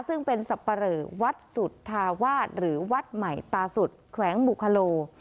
ซึ่งเป็นสับปะเหลอวัดสุธาวาสหรือวัดใหม่ตาสุดแขวงบุคโล